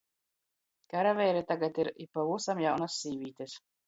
Karaveiri tagad ir i pavysam jaunys sīvītis.